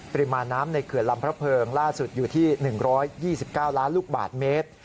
ปริมาณน้ำในเขื่อนลำพระเพิงล่าสุดอยู่ที่๑๒๙ล้านลูกบาทเมตร